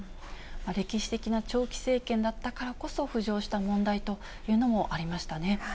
歴史的な長期政権だったからこそ浮上した問題というのもありましたね。